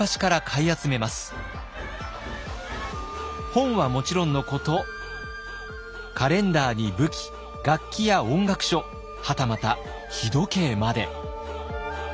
本はもちろんのことカレンダーに武器楽器や音楽書はたまた日時計まで。